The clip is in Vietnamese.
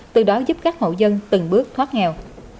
từ đó giúp các hộ dân từng bước thoát nghèo